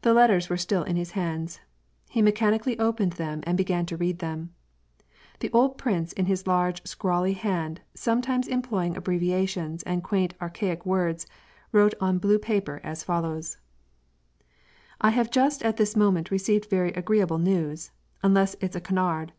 The letters were still in his hands. He mechanically opened them and began to read them. The old prince in his large scrawly hand^ sometimes employing abbreviations and quaint archaic words, wrote on blue paper as follows, — I have jnst at this moment received very agreeable news — unless it's a canard.